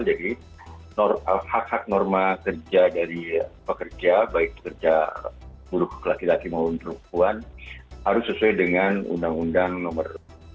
jadi hak hak norma kerja dari pekerja baik kerja buruk laki laki maupun perempuan harus sesuai dengan undang undang nomor tiga belas dua ribu dua puluh tiga